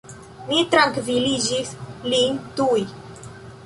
Mi trankviliĝis lin tuj.